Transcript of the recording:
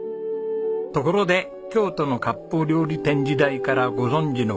ところで京都の割烹料理店時代からご存じの古藤さん。